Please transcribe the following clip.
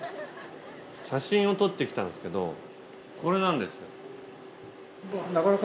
写真を撮ってきたんですけどこれなんですよ。